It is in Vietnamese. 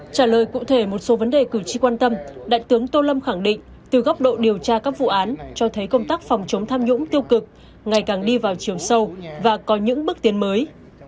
trả lời cụ thể một số vấn đề cử tri quan tâm đại tướng tô lâm khẳng định từ góc độ điều tra các vụ án cho thấy công tác phòng chống tham nhũng tiêu cực ngày càng đi vào chiều sâu và có những bước tiến mới